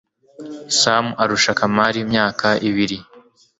sam arusha kamari imyaka ibiri